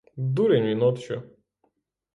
Дурень він от що.